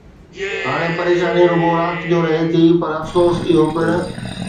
هاڻي پريشاني رڳو رات جو رهي ٿي، پر افسوس، اهو پڻ